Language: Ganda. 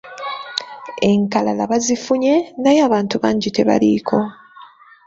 Enkalala baazifunye naye abantu bangi tebaliiko.